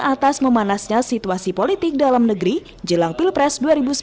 atas memanasnya situasi politik dalam negeri jelang pilpres dua ribu sembilan belas